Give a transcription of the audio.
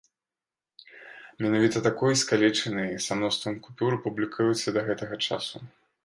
Менавіта такой, скалечанай, са мноствам купюр, публікуецца да гэтага часу.